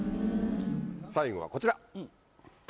最後はこちら。